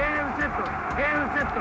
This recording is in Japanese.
ゲームセット！